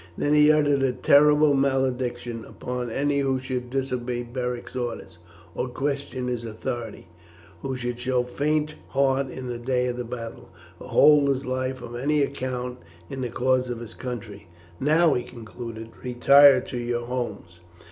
Then he uttered a terrible malediction upon any who should disobey Beric's orders, or question his authority, who should show faint heart in the day of battle, or hold his life of any account in the cause of his country. "Now," he concluded, "retire to your homes.